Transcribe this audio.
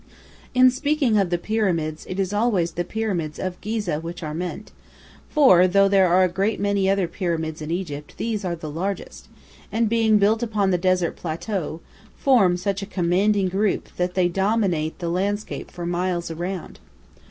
] In speaking of the pyramids it is always the pyramids of Ghizeh which are meant, for though there are a great many other pyramids in Egypt these are the largest, and being built upon the desert plateau, form such a commanding group that they dominate the landscape for miles around.